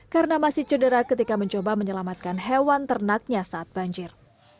karena masih cedera ketika mencoba menyelamatkan hewan ternaknya saat banjir